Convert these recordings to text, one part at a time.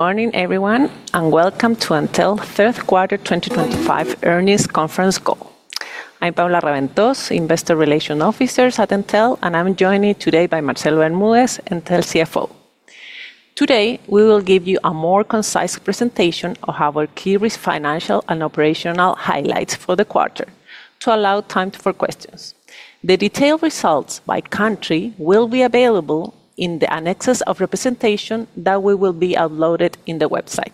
Morning, everyone, and welcome to Entel's third quarter 2025 earnings conference call. I'm Paula Raventós, Investor Relations Officer at Entel, and I'm joined today by Marcelo Bermúdez, Entel CFO. Today, we will give you a more concise presentation of our key financial and operational highlights for the quarter to allow time for questions. The detailed results by country will be available in the annexes of presentation that will be uploaded on the website.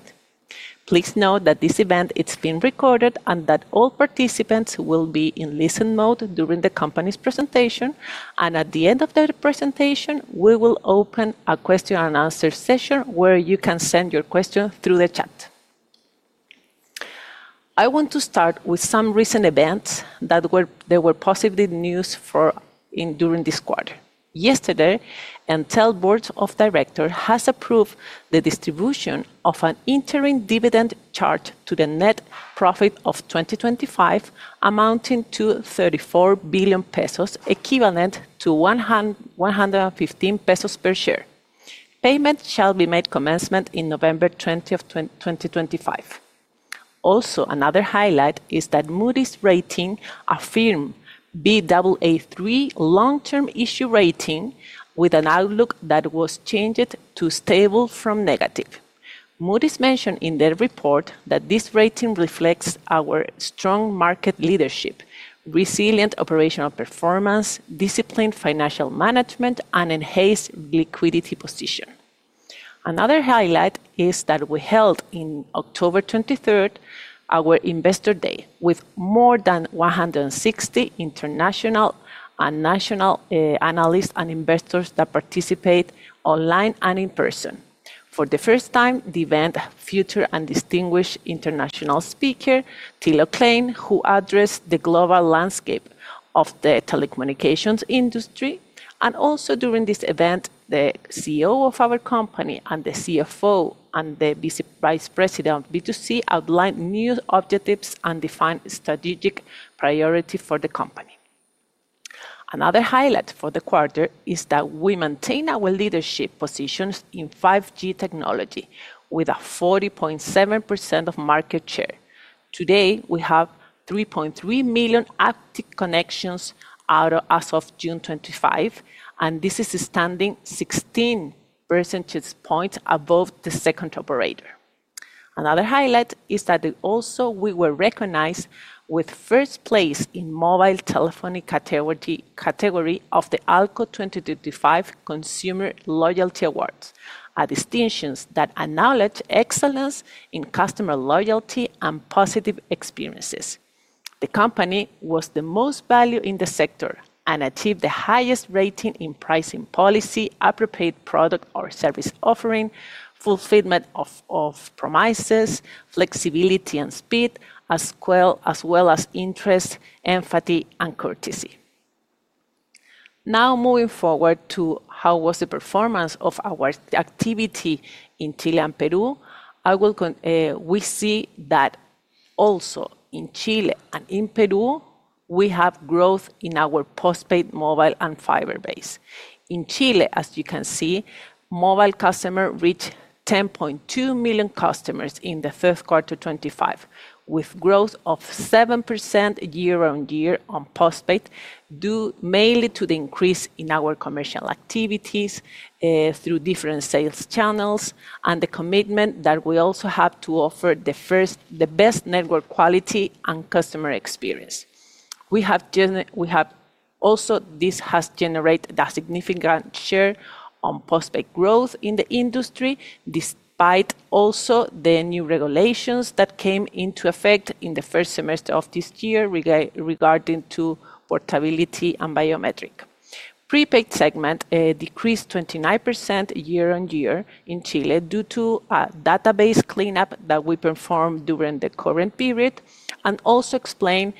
Please note that this event is being recorded and that all participants will be in listen-only mode during the company's presentation. At the end of the presentation, we will open a question-and-answer session where you can send your questions through the chat. I want to start with some recent events that were positive news during this quarter. Yesterday, Entel's Board of Directors approved the distribution of an interim dividend charged to the net profit of 2025, amounting to 34 billion pesos, equivalent to 115 pesos per share. Payment shall be made commencing on November 20, 2025. Also, another highlight is that Moody's affirmed Baa3 long-term issuer rating with an outlook that was changed to stable from negative. Moody's mentioned in their report that this rating reflects our strong market leadership, resilient operational performance, disciplined financial management, and enhanced liquidity position. Another highlight is that we held, on October 23rd, our Investor Day with more than 160 international and national analysts and investors who participated online and in person. For the first time, the event featured a distinguished international speaker, Thilo Klein, who addressed the global landscape of the telecommunications industry. Also, during this event, the CEO of our company and the CFO and the Vice President of B2C outlined new objectives and defined strategic priorities for the company. Another highlight for the quarter is that we maintain our leadership positions in 5G technology with a 40.7% market share. Today, we have 3.3 million active connections as of June 25, and this is a standing 16 percentage points above the second operator. Another highlight is that we were recognized with first place in the mobile telephony category of the ALCO 2025 Consumer Loyalty Awards, a distinction that acknowledges excellence in customer loyalty and positive experiences. The company was the most valued in the sector and achieved the highest rating in pricing policy, appropriate product or service offering, fulfillment of promises, flexibility and speed, as well as interest, empathy, and courtesy. Now, moving forward to how was the performance of our activity in Chile and Peru. Also in Chile and in Peru, we have growth in our postpaid mobile and fiber-based. In Chile, as you can see, mobile customers reached 10.2 million customers in the third quarter 2025, with growth of 7% year-on-year on postpaid, mainly due to the increase in our commercial activities through different sales channels and the commitment that we also have to offer the best network quality and customer experience. We have. Also this has generated a significant share on postpaid growth in the industry, despite also the new regulations that came into effect in the first semester of this year regarding portability and biometrics. The prepaid segment decreased 29% year-on-year in Chile due to a database cleanup that we performed during the current period and also explained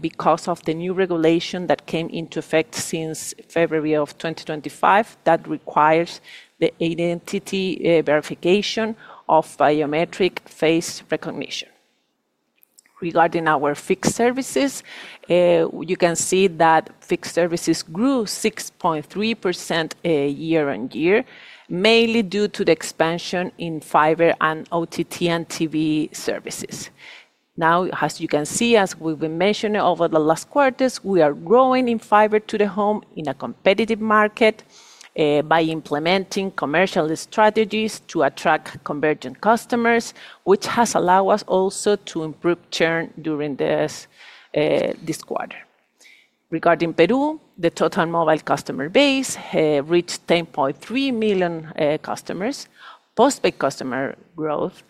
because of the new regulation that came into effect since February of 2025 that requires the identity verification of biometric face recognition. Regarding our fixed services, you can see that fixed services grew 6.3% year-on-year, mainly due to the expansion in fiber and OTT and TV services. Now, as you can see, as we've been mentioning over the last quarters, we are growing in fiber to the home in a competitive market by implementing commercial strategies to attract convergent customers, which has allowed us also to improve churn during this quarter. Regarding Peru, the total mobile customer base reached 10.3 million customers. Postpaid customer growth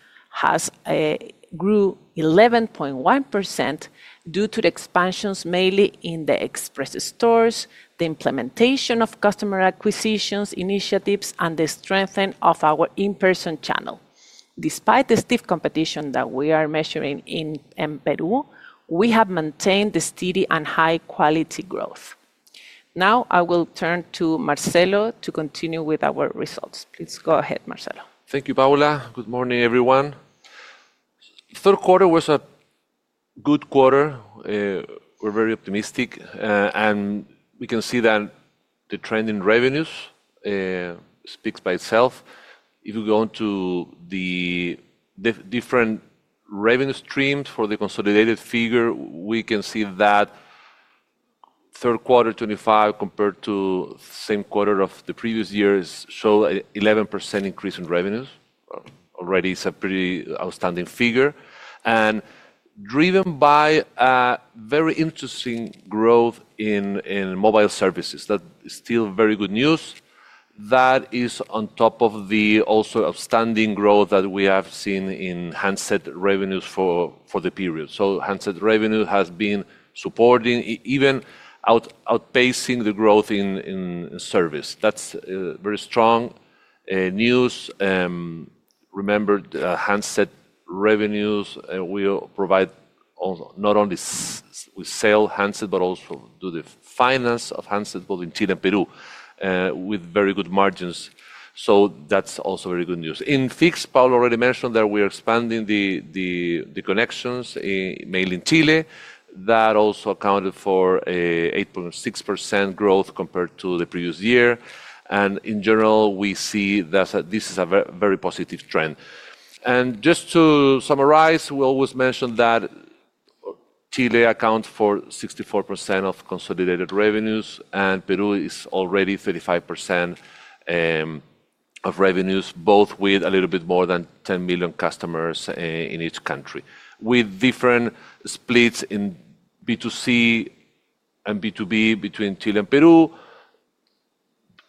grew 11.1% due to the expansions mainly in the express stores, the implementation of customer acquisition initiatives, and the strengthening of our in-person channel. Despite the stiff competition that we are measuring in Peru, we have maintained the steady and high-quality growth. Now, I will turn to Marcelo to continue with our results. Please go ahead, Marcelo. Thank you, Paula. Good morning, everyone. The third quarter was a good quarter. We're very optimistic, and we can see that the trend in revenues speaks for itself. If you go into the different revenue streams for the consolidated figure, we can see that third quarter 25 compared to the same quarter of the previous year showed an 11% increase in revenues. Already, it's a pretty outstanding figure. And driven by a very interesting growth in mobile services, that's still very good news, that is on top of the also outstanding growth that we have seen in handset revenues for the period. So handset revenue has been supporting, even outpacing the growth in service. That's very strong news. Remember, handset revenues, we provide not only we sell handsets but also do the finance of handsets both in Chile and Peru with very good margins. So that's also very good news. In fixed, Paula already mentioned that we are expanding the connections, mainly in Chile, that also accounted for 8.6% growth compared to the previous year. And in general, we see that this is a very positive trend. And just to summarize, we always mention that Chile accounts for 64% of consolidated revenues, and Peru is already 35% of revenues, both with a little bit more than 10 million customers in each country. With different splits in B2C and B2B between Chile and Peru.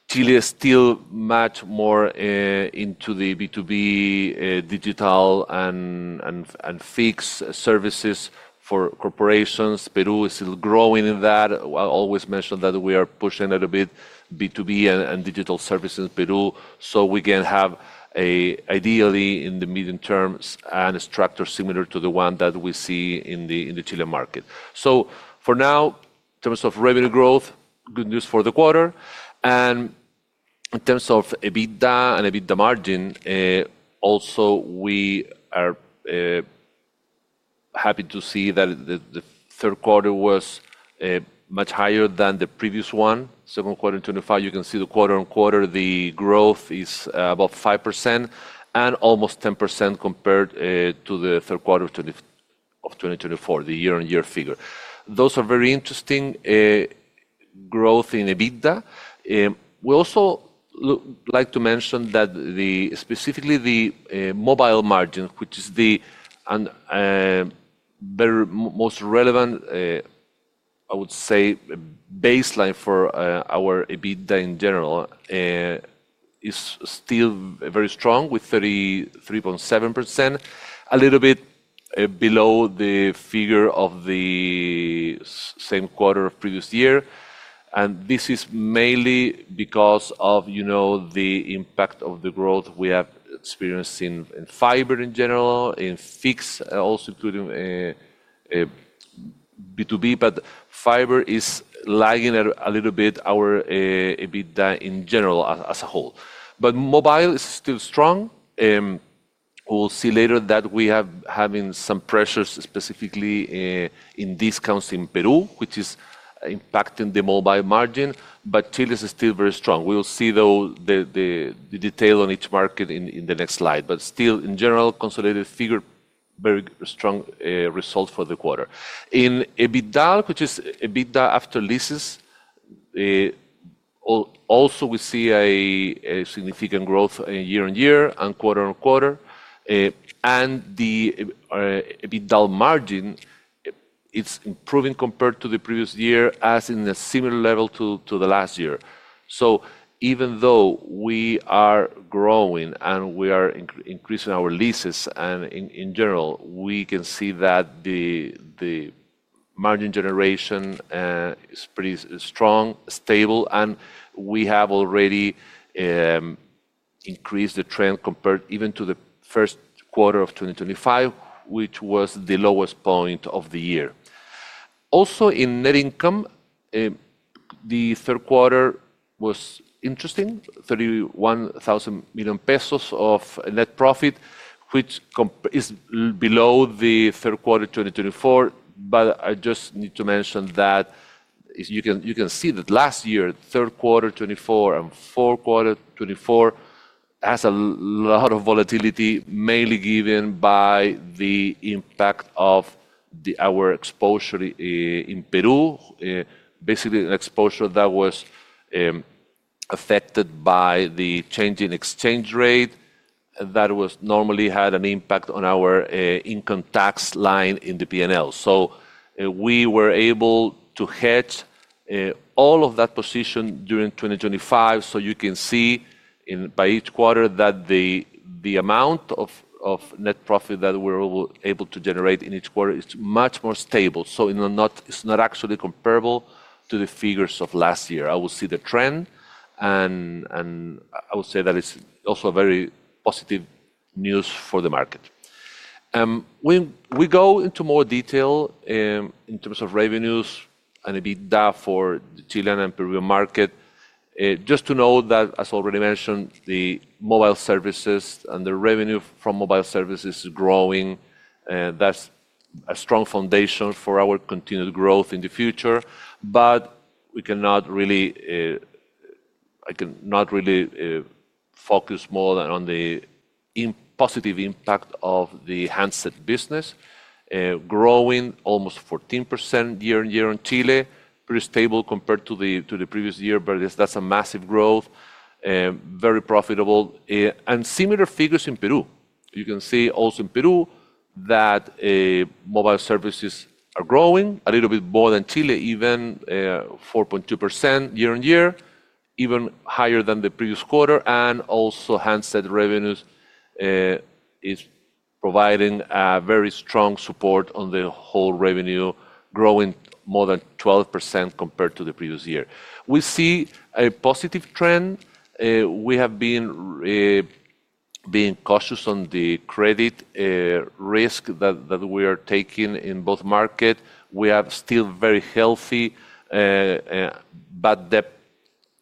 Chile is still much more into the B2B digital and fixed services for corporations. Peru is still growing in that. I always mentioned that we are pushing a little bit B2B and digital services in Peru so we can have ideally, in the medium term, a structure similar to the one that we see in the Chilean market. So for now, in terms of revenue growth, good news for the quarter. And in terms of EBITDA and EBITDA margin, also we are happy to see that the third quarter was much higher than the previous one. Second quarter 25, you can see the quarter-on-quarter, the growth is about 5% and almost 10% compared to the third quarter of 2024, the year-on-year figure. Those are very interesting growth in EBITDA. We also like to mention that specifically the mobile margin, which is the most relevant I would say baseline for our EBITDA in general, is still very strong with 33.7%, a little bit below the figure of the same quarter of previous year. And this is mainly because of the impact of the growth we have experienced in fiber in general, in fixed, also including B2B, but fiber is lagging a little bit our EBITDA in general as a whole. But mobile is still strong. We'll see later that we are having some pressures specifically in discounts in Peru, which is impacting the mobile margin, but Chile is still very strong. We will see, though, the detail on each market in the next slide. But still, in general, consolidated figure, very strong result for the quarter. In EBITDA, which is EBITDA after leases. Also we see a significant growth year-on-year and quarter-on-quarter. And the EBITDA margin is improving compared to the previous year as in a similar level to the last year. So even though we are growing and we are increasing our leases and in general, we can see that the margin generation is pretty strong, stable, and we have already increased the trend compared even to the first quarter of 2025, which was the lowest point of the year. Also, in net income, the third quarter was interesting, 31,000 million pesos of net profit, which is below the third quarter 2024. But I just need to mention that you can see that last year, third quarter 2024 and fourth quarter 2024 has a lot of volatility, mainly given by the impact of our exposure in Peru, basically an exposure that was affected by the changing exchange rate that normally had an impact on our income tax line in the P&L. So we were able to hedge all of that position during 2025. So you can see by each quarter that the amount of net profit that we were able to generate in each quarter is much more stable. So it's not actually comparable to the figures of last year. I will see the trend, and I will say that it's also very positive news for the market. When we go into more detail in terms of revenues and EBITDA for the Chilean and Peruvian market. Just to note that, as already mentioned, the mobile services and the revenue from mobile services is growing. That's a strong foundation for our continued growth in the future. But I cannot really focus more on the positive impact of the handset business growing almost 14% year-on-year in Chile, pretty stable compared to the previous year, but that's a massive growth. Very profitable. And similar figures in Peru. You can see also in Peru that mobile services are growing a little bit more than Chile, even 4.2% year-on-year, even higher than the previous quarter. And also, handset revenues is providing very strong support on the whole revenue, growing more than 12% compared to the previous year. We see a positive trend. We have been cautious on the credit risk that we are taking in both markets. We are still very healthy. But the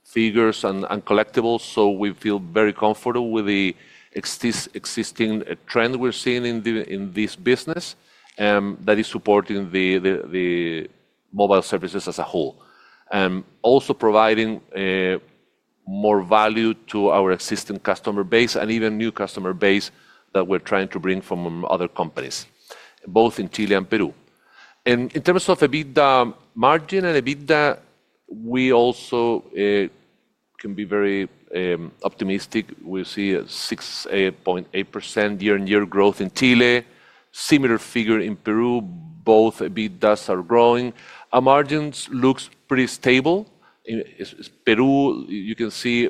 figures and collectibles, so we feel very comfortable with the existing trend we're seeing in this business. That is supporting the mobile services as a whole. Also providing more value to our existing customer base and even new customer base that we're trying to bring from other companies, both in Chile and Peru. And in terms of EBITDA margin and EBITDA, we also can be very optimistic. We see 6.8% year-on-year growth in Chile, similar figure in Peru. Both EBITDAs are growing. Our margins look pretty stable. In Peru, you can see.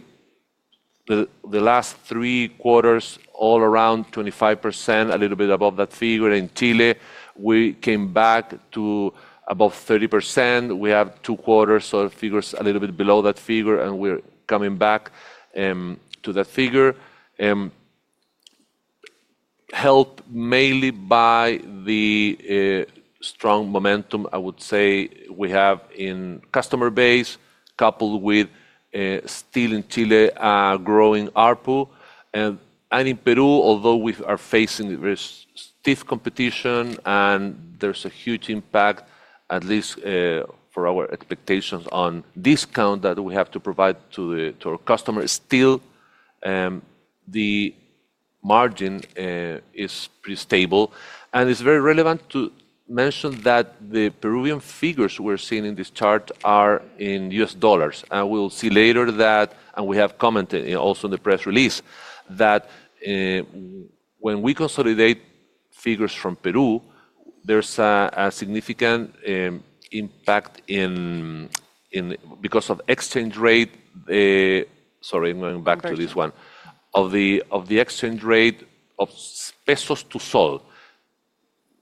The last three quarters all around 25%, a little bit above that figure. In Chile, we came back to above 30%. We have two quarters of figures a little bit below that figure, and we're coming back to that figure, helped mainly by the strong momentum, I would say, we have in customer base, coupled with still in Chile a growing ARPU. And in Peru, although we are facing very stiff competition and there's a huge impact, at least for our expectations on discount that we have to provide to our customers, still the margin is pretty stable. And it's very relevant to mention that the Peruvian figures we're seeing in this chart are in US dollars. And we'll see later that, and we have commented also in the press release, that when we consolidate figures from Peru, there's a significant impact because of exchange rate. Sorry, I'm going back to this one, of the exchange rate of pesos to sol,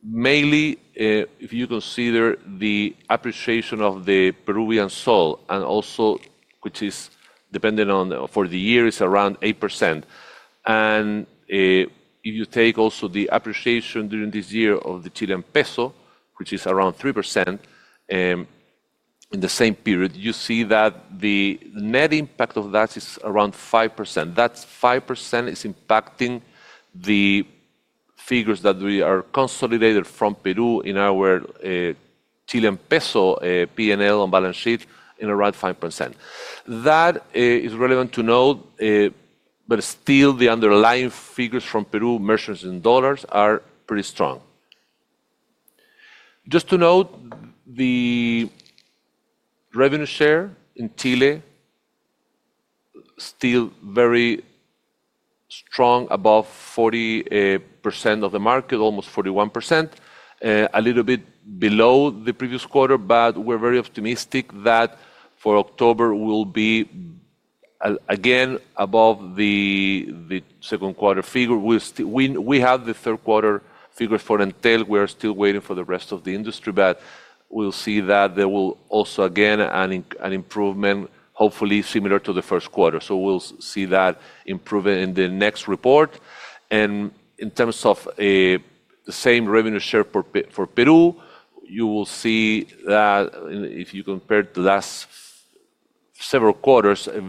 mainly if you consider the appreciation of the Peruvian sol, and also, which is dependent on for the year, is around 8%. And if you take also the appreciation during this year of the Chilean peso, which is around 3%. In the same period, you see that the net impact of that is around 5%. That 5% is impacting the figures that we are consolidated from Peru in our Chilean peso P&L on balance sheet in around 5%. That is relevant to note. But still, the underlying figures from Peru, margins in dollars, are pretty strong. Just to note, the revenue share in Chile is still very strong, above 40% of the market, almost 41%. A little bit below the previous quarter, but we're very optimistic that for October we'll be again above the second quarter figure. We have the third quarter figures for Entel. We are still waiting for the rest of the industry, but we'll see that there will also again an improvement, hopefully similar to the first quarter. So we'll see that improvement in the next report. And in terms of the same revenue share for Peru, you will see that if you compare the last several quarters, a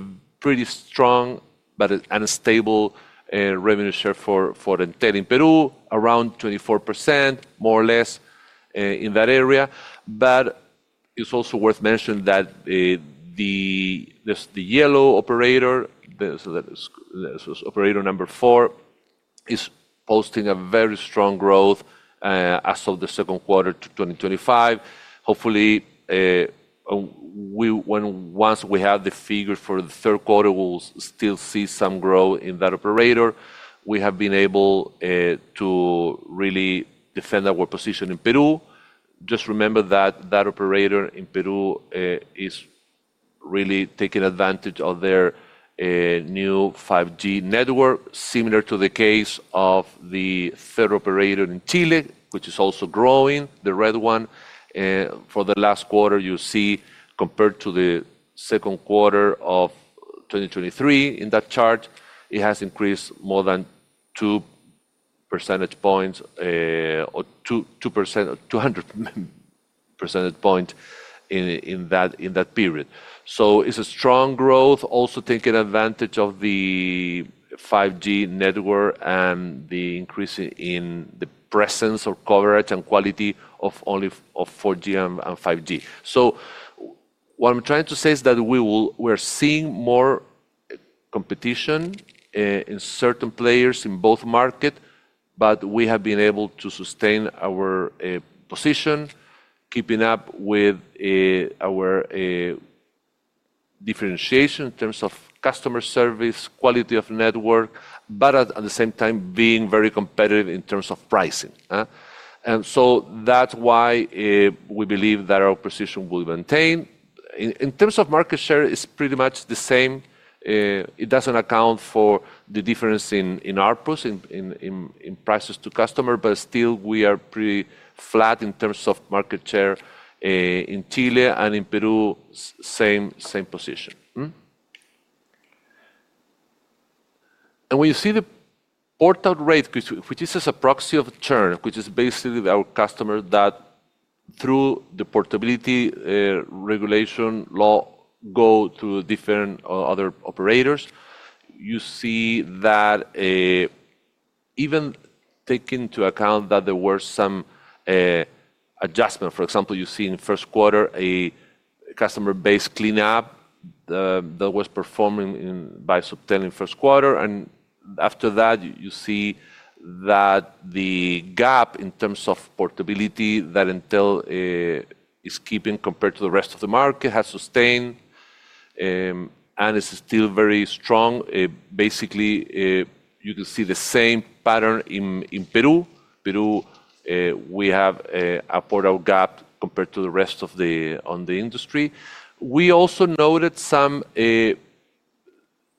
pretty strong but unstable revenue share for Entel in Peru, around 24%, more or less, in that area. But it's also worth mentioning that the yellow operator, operator number four, is posting a very strong growth as of the second quarter to 2025. Hopefully once we have the figures for the third quarter, we'll still see some growth in that operator. We have been able to really defend our position in Peru. Just remember that that operator in Peru is really taking advantage of their new 5G network, similar to the case of the third operator in Chile, which is also growing, the red one. For the last quarter, you see compared to the second quarter of 2023 in that chart, it has increased more than 2 percentage points or 2%, 200 percentage points. In that period. So it's a strong growth, also taking advantage of the 5G network and the increase in the presence of coverage and quality of only 4G and 5G. So. What I'm trying to say is that we're seeing more. Competition. In certain players in both markets, but we have been able to sustain our position. Keeping up with. Our. Differentiation in terms of customer service, quality of network, but at the same time being very competitive in terms of pricing. And so that's why we believe that our position will be maintained. In terms of market share, it's pretty much the same. It doesn't account for the difference in ARPUs in. Prices to customers, but still we are pretty flat in terms of market share. In Chile and in Peru, same position. And when you see the portability rate, which is a proxy of churn, which is basically our customer that. Through the portability regulation law go through different other operators, you see that. Even taking into account that there were some. Adjustments. For example, you see in first quarter a customer base cleanup. That was performed by Subtel in first quarter. And after that, you see that the gap in terms of portability that Entel. Is keeping compared to the rest of the market has sustained. And is still very strong. Basically, you can see the same pattern in Peru. Peru. We have a portability gap compared to the rest of the industry. We also noted some.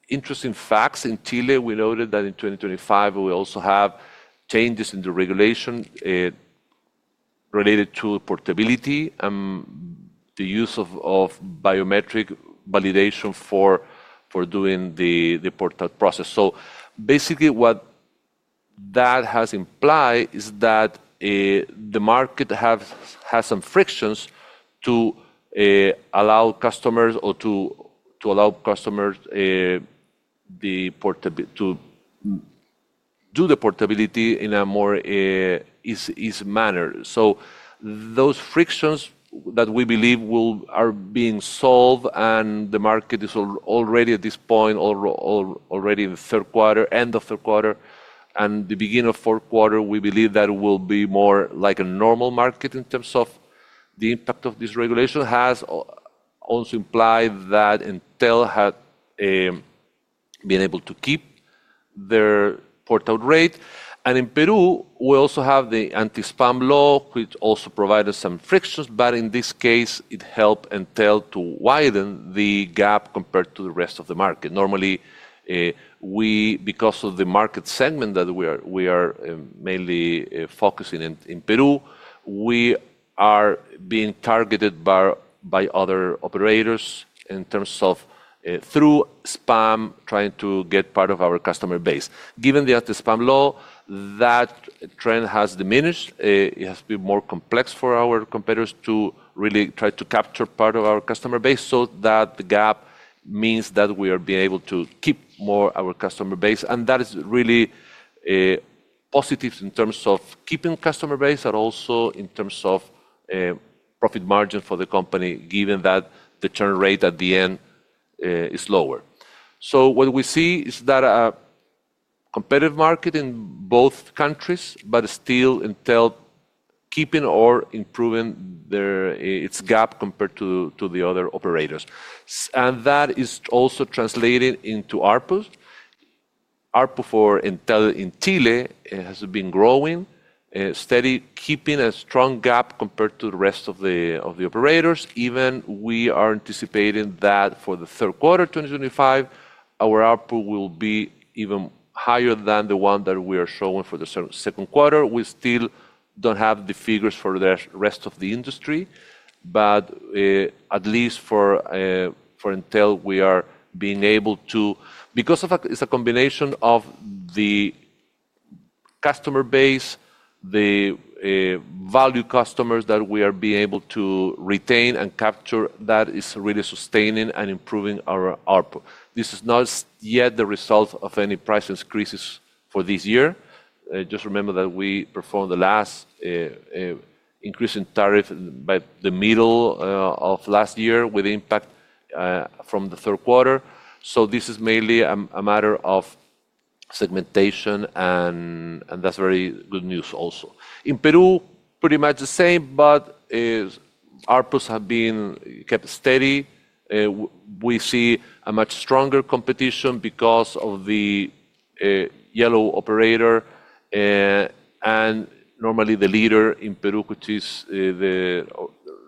Interesting facts in Chile. We noted that in 2025, we also have changes in the regulation. Related to portability and the use of biometric validation for. Doing the portability process. So basically, what. That has implied is that. The market has some frictions to. Allow customers to. Do the portability in a more. Easy manner. So those frictions that we believe are being solved and the market is already at this point. Already in the third quarter, end of third quarter, and the beginning of fourth quarter, we believe that it will be more like a normal market in terms of the impact of this regulation has. Also implied that Entel has. Been able to keep. Their portability rate. And in Peru, we also have the anti-spam law, which also provided some frictions, but in this case, it helped Entel to widen the gap compared to the rest of the market. Normally. We, because of the market segment that we are mainly focusing in Peru, we are being targeted by other operators in terms of. Through spam, trying to get part of our customer base. Given the anti-spam law, that trend has diminished. It has been more complex for our competitors to really try to capture part of our customer base. So that gap means that we are being able to keep more of our customer base. And that is really. Positive in terms of keeping customer base, but also in terms of. Profit margin for the company, given that the churn rate at the end is lower. What we see is that there is a competitive market in both countries, but still Entel keeping or improving its gap compared to the other operators. That is also translating into ARPUs. ARPU for Entel in Chile has been growing steadily, keeping a strong gap compared to the rest of the operators. We are anticipating that for the third quarter 2025, our ARPU will be even higher than the one that we are showing for the second quarter. We still don't have the figures for the rest of the industry, but at least for Entel, we are being able to because it is a combination of the customer base, the value customers that we are being able to retain and capture, that is really sustaining and improving our ARPU. This is not yet the result of any price increases for this year. Just remember that we performed the last increase in tariff by the middle of last year with the impact from the third quarter. This is mainly a matter of segmentation, and that is very good news also. In Peru, pretty much the same, but ARPUs have been kept steady. We see a much stronger competition because of the yellow operator. Normally the leader in Peru, which is the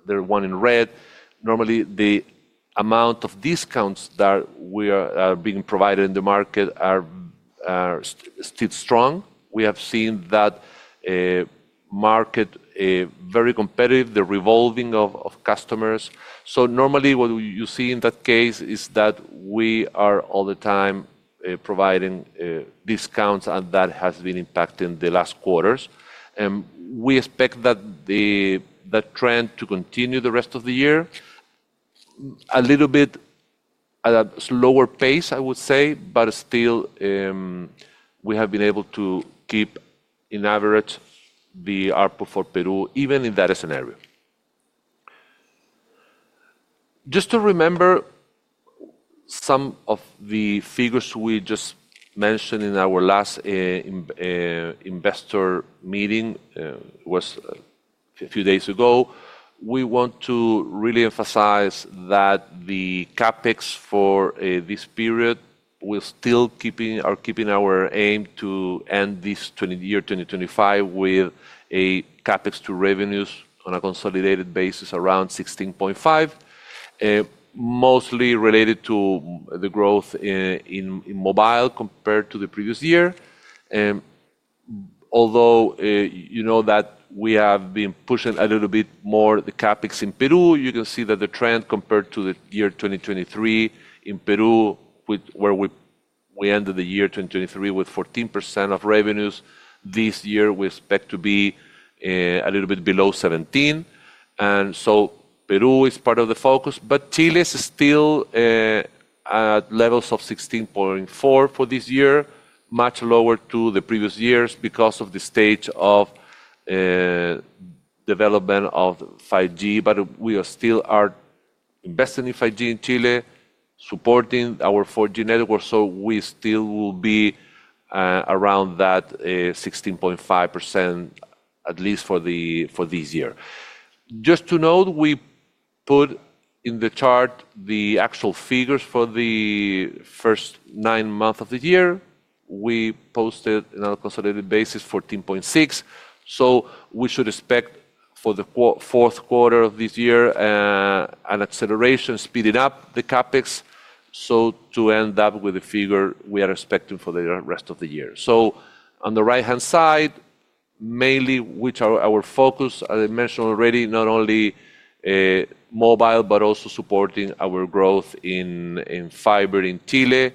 one in red. Normally, the amount of discounts that are being provided in the market are still strong. We have seen that market very competitive, the revolving of customers. Normally, what you see in that case is that we are all the time providing discounts, and that has been impacting the last quarters. We expect that trend to continue the rest of the year a little bit at a slower pace, I would say, but still. We have been able to keep, in average, the ARPU for Peru, even in that scenario. Just to remember some of the figures we just mentioned in our last investor meeting a few days ago, we want to really emphasize that the CapEx for this period. We are still keeping our aim to end this year 2025 with a CapEx to revenues on a consolidated basis around 16.5%. Mostly related to the growth in mobile compared to the previous year. Although you know that we have been pushing a little bit more the CapEx in Peru, you can see that the trend compared to the year 2023 in Peru, where we ended the year 2023 with 14% of revenues, this year we expect to be a little bit below 17%. Peru is part of the focus, but Chile is still at levels of 16.4% for this year, much lower to the previous years because of the stage of development of 5G. We still are investing in 5G in Chile, supporting our 4G network, so we still will be around that 16.5%. At least for this year. Just to note, we put in the chart the actual figures for the first nine months of the year. We posted on a consolidated basis 14.6%. We should expect for the fourth quarter of this year an acceleration, speeding up the CapEx to end up with the figure we are expecting for the rest of the year. On the right-hand side, mainly, which are our focus, as I mentioned already, not only mobile, but also supporting our growth in fiber in Chile.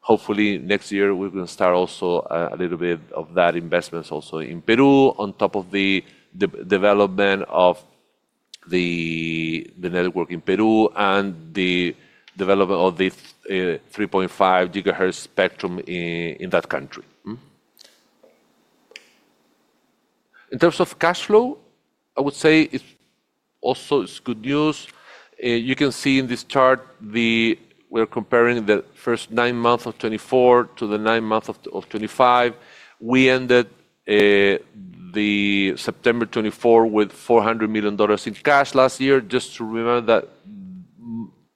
Hopefully, next year, we're going to start also a little bit of that investment also in Peru, on top of the development of the network in Peru and the development of the 3.5 GHz spectrum in that country. In terms of cash flow, I would say it's also good news. You can see in this chart. We're comparing the first nine months of 2024 to the nine months of 2025. We ended September 2024 with $400 million in cash last year. Just to remember that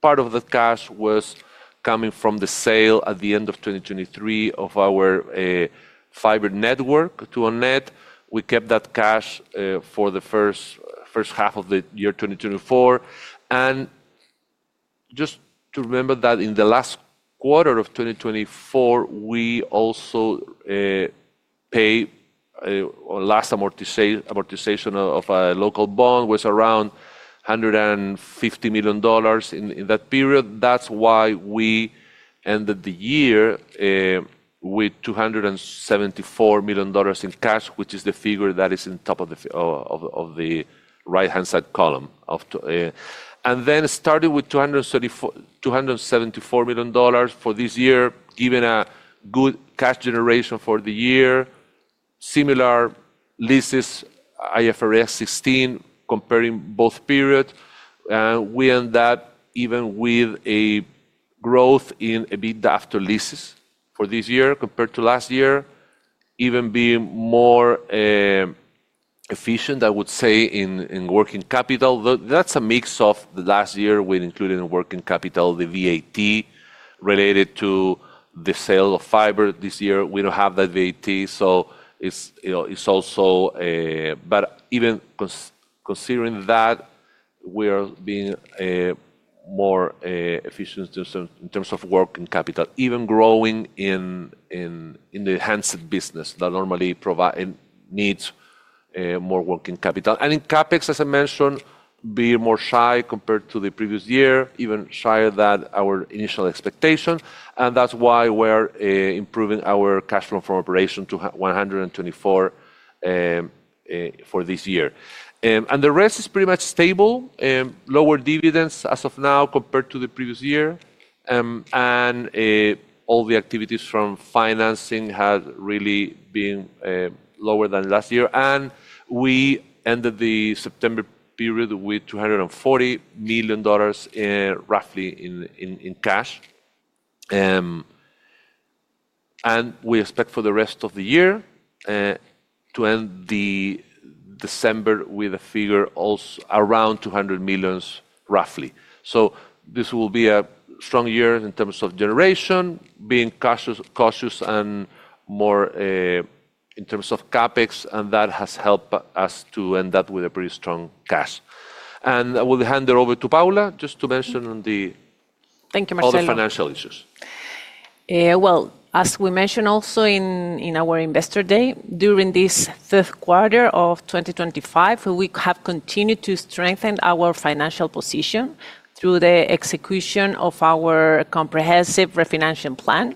part of the cash was coming from the sale at the end of 2023 of our fiber network to Onet. We kept that cash for the first half of the year 2024. Just to remember that in the last quarter of 2024, we also paid last amortization of a local bond, which was around $150 million in that period. That's why we ended the year with $274 million in cash, which is the figure that is in top of the right-hand side column. Then we started with $274 million for this year, given a good cash generation for the year, similar leases, IFRS 16, comparing both periods. We end up with even a growth in EBITDA after leases for this year compared to last year, even being more efficient, I would say, in working capital. That's a mix of last year we included in working capital, the VAT related to the sale of fiber. This year, we don't have that VAT, so it's also. But even considering that we are being more efficient in terms of working capital, even growing in the handset business that normally provides and needs more working capital. In CapEx, as I mentioned, we are being more shy compared to the previous year, even shyer than our initial expectation. That's why we're improving our cash flow from operation to $124 million for this year. The rest is pretty much stable, lower dividends as of now compared to the previous year. All the activities from financing have really been lower than last year. We ended the September period with roughly $240 million in cash. We expect for the rest of the year to end December with a figure around $200 million, roughly. This will be a strong year in terms of generation, being cautious and more in terms of CapEx, and that has helped us to end up with a pretty strong cash. I will hand it over to Paula just to mention on the financial issues. Thank you, Marcello. Well, as we mentioned also in our investor day, during this third quarter of 2025, we have continued to strengthen our financial position through the execution of our comprehensive refinancing plan.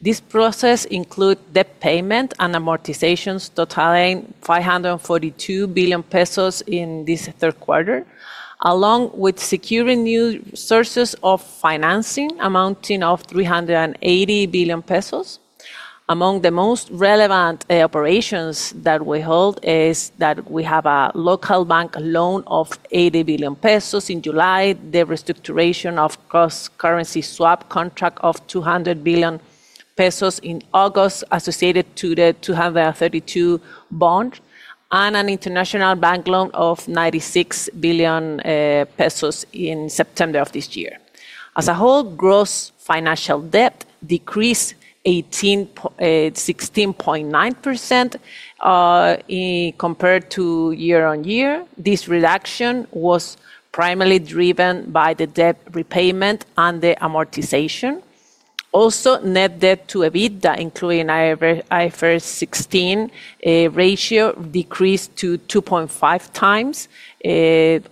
This process includes debt payment and amortizations totaling 42 million pesos in this third quarter, along with securing new sources of financing amounting to 380 million pesos. Among the most relevant operations that we hold is that we have a local bank loan of 80 million pesos in July, the restructuration of cross-currency swap contract of 200 million pesos in August associated to the 232 bond, and an international bank loan of 96 million pesos in September of this year. As a whole, gross financial debt decreased 16.9% compared to year-on-year. This reduction was primarily driven by the debt repayment and the amortization. Also, net debt to EBITDA, including IFRS 16 ratio, decreased to 2.5x.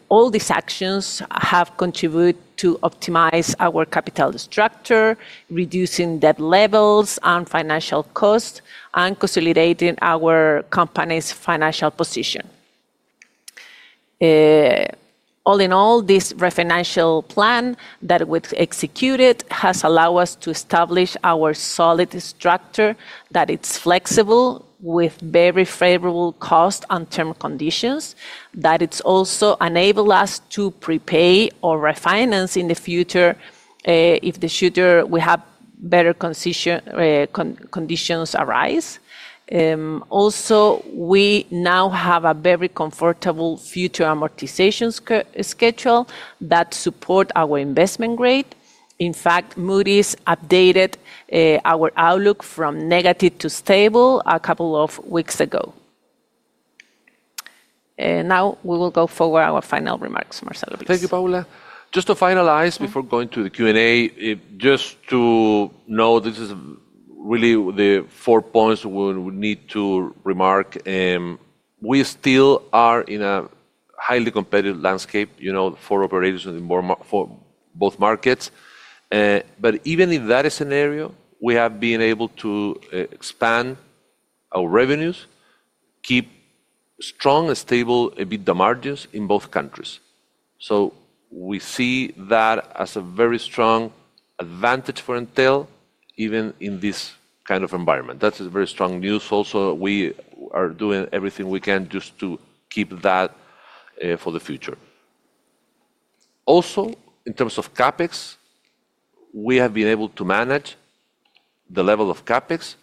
All these actions have contributed to optimize our capital structure, reducing debt levels and financial costs, and consolidating our company's financial position. All in all, this refinancing plan that we've executed has allowed us to establish our solid structure, that it's flexible with very favorable costs and term conditions, that it's also enabled us to prepay or refinance in the future. If in the future we have better conditions arise. Also, we now have a very comfortable future amortization schedule that supports our investment grade. In fact, Moody's updated our outlook from negative to stable a couple of weeks ago. Now we will go to our final remarks. Marcello, please. Thank you, Paula. Just to finalize before going to the Q&A, just to know this is really the four points we need to remark. We still are in a highly competitive landscape, you know, for operators in both markets. But even in that scenario, we have been able to expand our revenues, keep strong and stable EBITDA margins in both countries. So we see that as a very strong advantage for Entel, even in this kind of environment. That's very strong news also. We are doing everything we can just to keep that for the future. Also, in terms of CapEx, we have been able to manage the level of CapEx.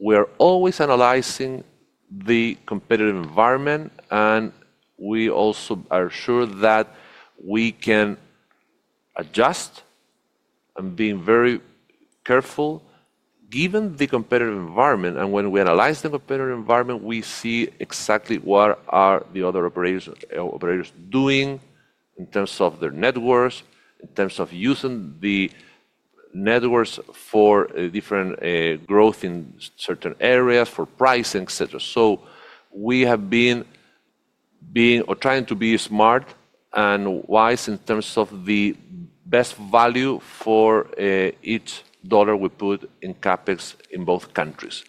We are always analyzing the competitive environment, and we also are sure that we can adjust and be very careful given the competitive environment. And when we analyze the competitive environment, we see exactly what are the other operators doing in terms of their networks, in terms of using the networks for different growth in certain areas, for pricing, etc. So we have been trying to be smart and wise in terms of the best value for each dollar we put in CapEx in both countries.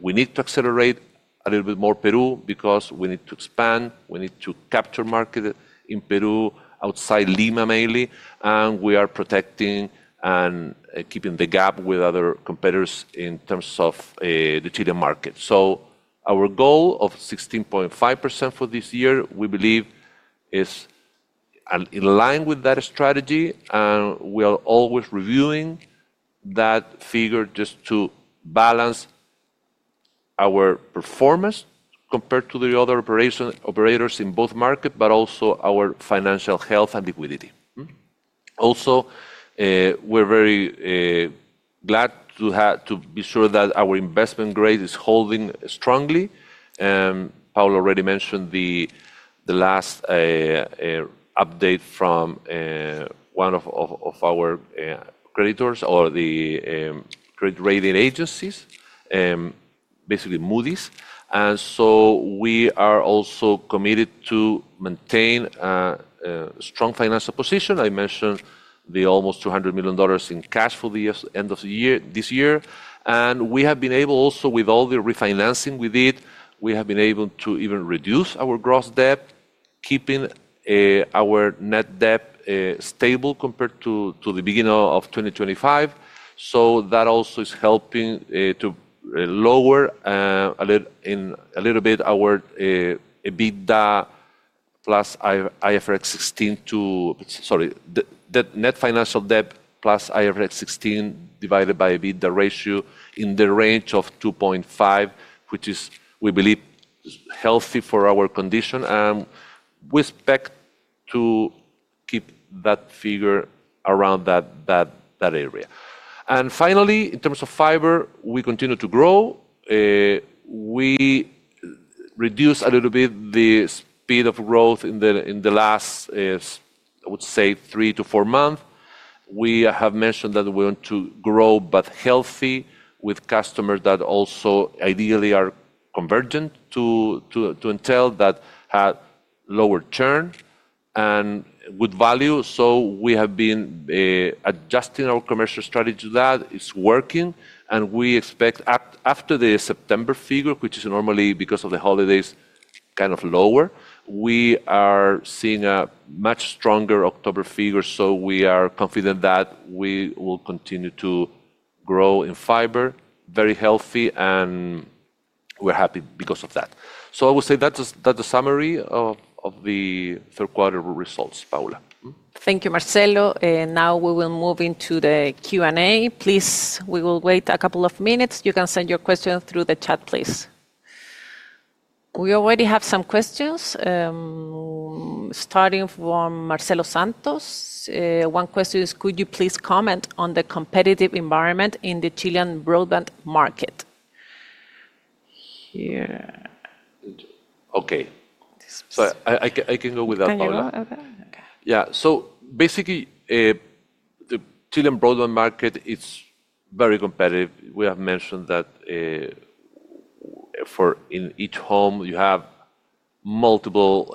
We need to accelerate a little bit more Peru because we need to expand. We need to capture market in Peru outside Lima mainly, and we are protecting and keeping the gap with other competitors in terms of the Chilean market. So our goal of 16.5% for this year, we believe, is in line with that strategy, and we are always reviewing that figure just to balance our performance compared to the other operators in both markets, but also our financial health and liquidity. Also, we're very glad to be sure that our investment grade is holding strongly. Paula already mentioned the last update from one of our creditors or the credit rating agencies, basically Moody's. And so we are also committed to maintain a strong financial position. I mentioned the almost $200 million in cash for the end of this year. And we have been able also, with all the refinancing we did, we have been able to even reduce our gross debt, keeping our net debt stable compared to the beginning of 2025. So that also is helping to lower a little bit our EBITDA plus IFRS 16 to, sorry, net financial debt plus IFRS 16 divided by EBITDA ratio in the range of 2.5, which is, we believe, healthy for our condition. And we expect to keep that figure around that area. And finally, in terms of fiber, we continue to grow. We reduced a little bit the speed of growth in the last, I would say, three to four months. We have mentioned that we want to grow but healthy with customers that also ideally are convergent to Entel that had lower churn and good value. So we have been adjusting our commercial strategy to that. It's working. And we expect after the September figure, which is normally because of the holidays kind of lower, we are seeing a much stronger October figure. So we are confident that we will continue to grow in fiber, very healthy, and we're happy because of that. So I would say that's the summary of the third quarter results, Paula. Thank you, Marcelo. Now we will move into the Q&A. Please, we will wait a couple of minutes. You can send your questions through the chat, please. We already have some questions. Starting from Marcello Santos. One question is, could you please comment on the competitive environment in the Chilean broadband market? Here. Okay. So I can go with that, Paula. Yeah. So basically, the Chilean broadband market is very competitive. We have mentioned that. In each home, you have multiple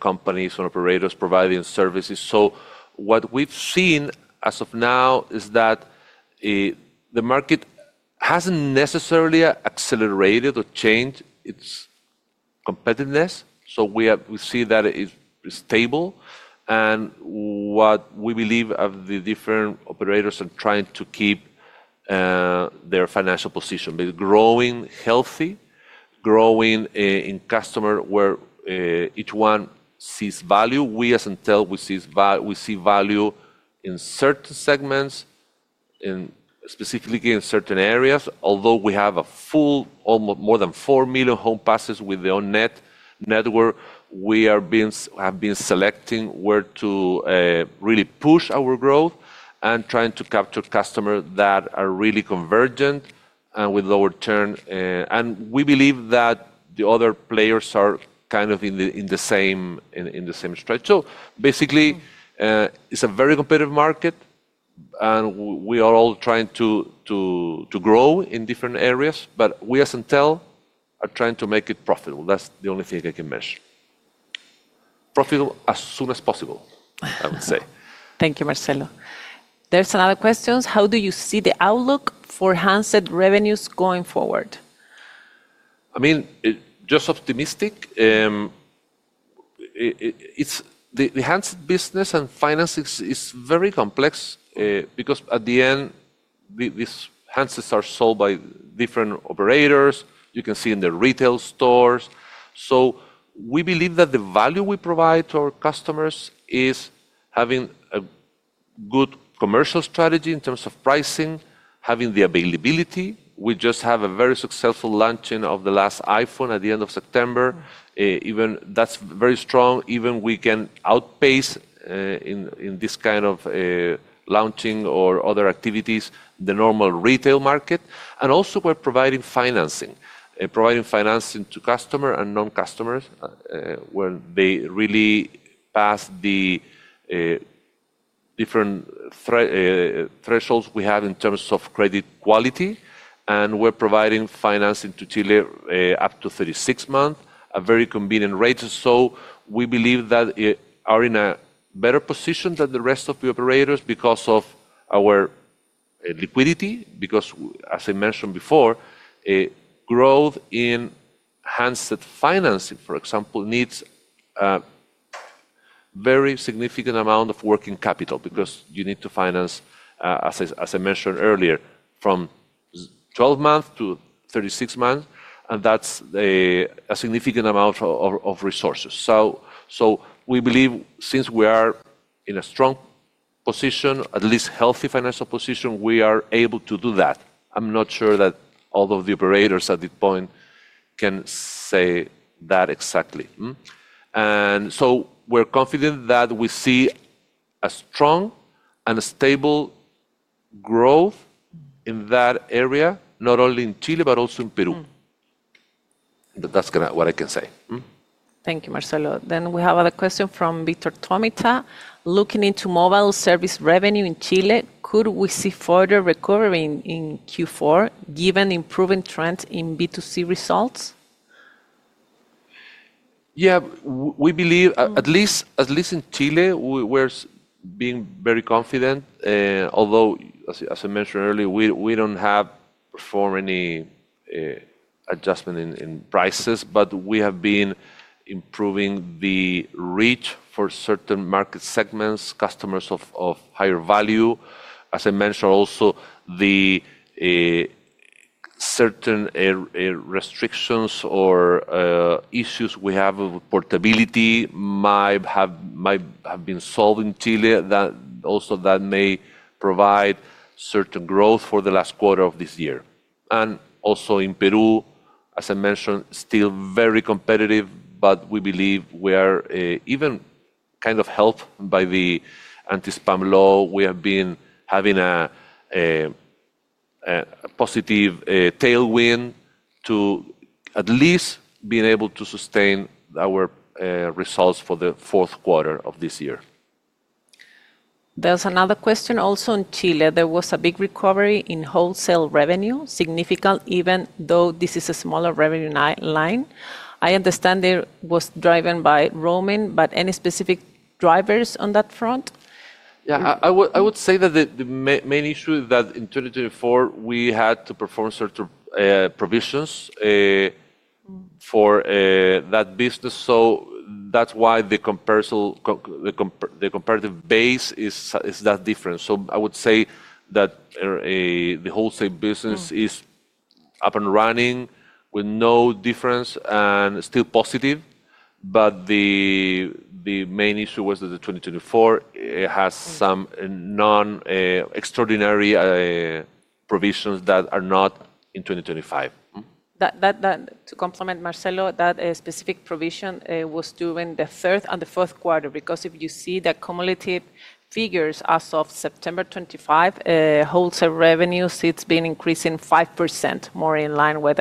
companies and operators providing services. So what we've seen as of now is that the market hasn't necessarily accelerated or changed its competitiveness. So we see that it's stable. And what we believe of the different operators and trying to keep their financial position. But growing healthy, growing in customer where each one sees value. We as Entel, we see value in certain segments. And specifically in certain areas. Although we have a full, more than 4 million home passes with the Onet network, we have been selecting where to really push our growth and trying to capture customers that are really convergent and with lower churn. And we believe that the other players are kind of in the same stretch. So basically, it's a very competitive market. And we are all trying to grow in different areas, but we as Entel are trying to make it profitable. That's the only thing I can mention. Profitable as soon as possible, I would say. Thank you, Marcello. There's another question. How do you see the outlook for handset revenues going forward? I mean, just optimistic. The handset business and finance is very complex because at the end these handsets are sold by different operators. You can see in the retail stores. So we believe that the value we provide to our customers is having a good commercial strategy in terms of pricing, having the availability. We just had a very successful launching of the last iPhone at the end of September. That's very strong. Even we can outpace in this kind of launching or other activities, the normal retail market. And also, we're providing financing to customers and non-customers. When they really pass the different thresholds we have in terms of credit quality. And we're providing financing in Chile up to 36 months, a very convenient rate. So we believe that we are in a better position than the rest of the operators because of our liquidity. Because, as I mentioned before, growth in handset financing, for example, needs a very significant amount of working capital because you need to finance, as I mentioned earlier, from 12 months to 36 months. And that's a significant amount of resources. So we believe since we are in a strong position, at least healthy financial position, we are able to do that. I'm not sure that all of the operators at this point can say that exactly. And so we're confident that we see a strong and stable growth in that area, not only in Chile but also in Peru. That's what I can say. Thank you, Marcello. Then we have another question from Victor Tomita. Looking into mobile service revenue in Chile, could we see further recovery in Q4 given improving trends in B2C results? Yeah, we believe, at least in Chile, we're being very confident. Although, as I mentioned earlier, we don't have performed any adjustment in prices, but we have been improving the reach for certain market segments, customers of higher value. As I mentioned, also the certain restrictions or issues we have with portability might have been solved in Chile. Also that may provide certain growth for the last quarter of this year. And also in Peru, as I mentioned, still very competitive, but we believe we are even kind of helped by the anti-spam law. We have been having a positive tailwind to. At least being able to sustain our results for the fourth quarter of this year. There's another question also in Chile. There was a big recovery in wholesale revenue, significant, even though this is a smaller revenue line. I understand it was driven by roaming, but any specific drivers on that front? Yeah, I would say that the main issue is that in 2024, we had to perform certain provisions for that business. So that's why the comparative base is that different. So I would say that the wholesale business is up and running with no difference and still positive. But the main issue was that 2024 has some non-extraordinary provisions that are not in 2025. To complement Marcello, that specific provision was during the third and the fourth quarter because if you see the cumulative figures as of September 2025, wholesale revenue, it's been increasing 5%, more in line with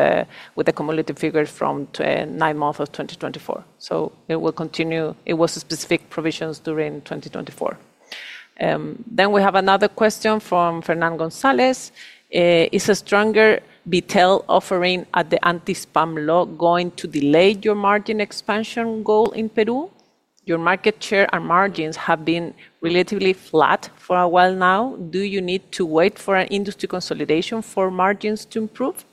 the cumulative figures from the ninth month of 2024. So it will continue. It was specific provisions during 2024. Then we have another question from Fernan Gonzalez. Is a stronger Bitel offering at the anti-spam law going to delay your margin expansion goal in Peru? Your market share and margins have been relatively flat for a while now. Do you need to wait for an industry consolidation for margins to improve?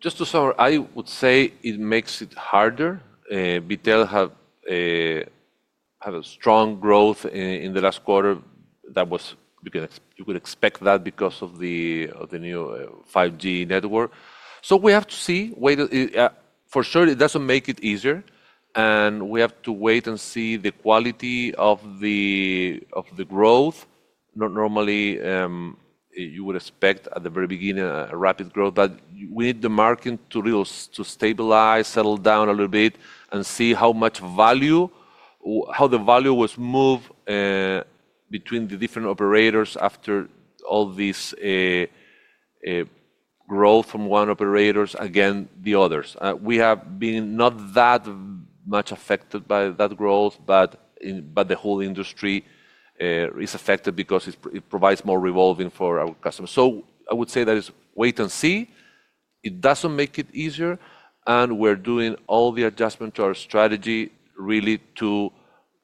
Just to summarize, I would say it makes it harder. Bitel had a strong growth in the last quarter. You could expect that because of the new 5G network. So we have to see. For sure, it doesn't make it easier. We have to wait and see the quality of the growth. Normally, you would expect at the very beginning a rapid growth. But we need the market to stabilize, settle down a little bit, and see how much value, how the value was moved between the different operators after all this growth from one operator against the others. We have been not that much affected by that growth, but the whole industry is affected because it provides more revolving for our customers. So I would say that it's wait and see. It doesn't make it easier. We're doing all the adjustment to our strategy really to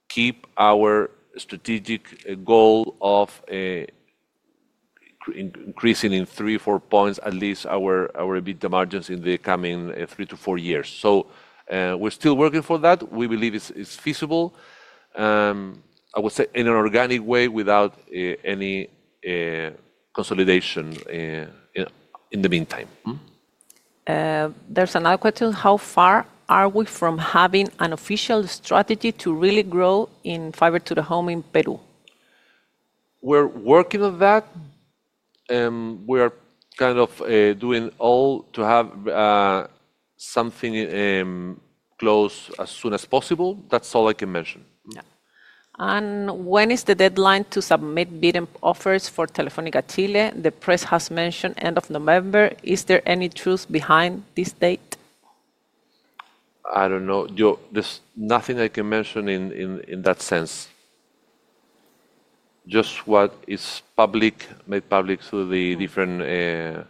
keep our strategic goal of increasing 3, 4 points, at least our EBITDA margins in the coming 3 to 4 years. So we're still working for that. We believe it's feasible. I would say in an organic way without any consolidation in the meantime. There's another question. How far are we from having an official strategy to really grow in fiber to the home in Peru? We're working on that. We are kind of doing all to have something close as soon as possible. That's all I can mention. When is the deadline to submit bidding offers for Telefónica Chile? The press has mentioned end of November. Is there any truth behind this date? I don't know. There's nothing I can mention in that sense. Just what is made public through the different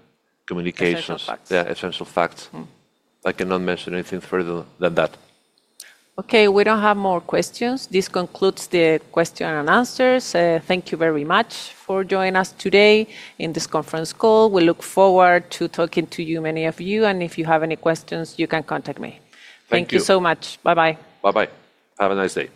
communications. Essential facts. I cannot mention anything further than that. Okay, we don't have more questions. This concludes the question and answers. Thank you very much for joining us today in this conference call. We look forward to talking to you, many of you, and if you have any questions, you can contact me. Thank you so much. Bye-bye. Bye-bye. Have a nice day.